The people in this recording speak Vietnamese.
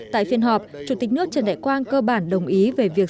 tại phiên họp chủ tịch nước trần đại quang cơ bản đồng ý về việc